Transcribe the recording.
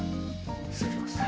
失礼します。